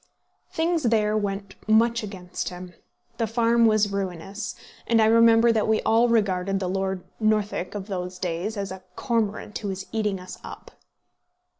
Things there went much against him; the farm was ruinous, and I remember that we all regarded the Lord Northwick of those days as a cormorant who was eating us up.